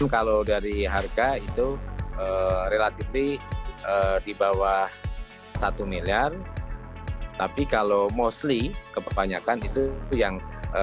kalau dari harga itu relatif di bawah satu miliar tapi kalau mostly keperbanyakan itu yang